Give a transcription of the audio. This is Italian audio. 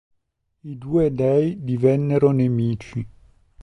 I due dei divennero nemici.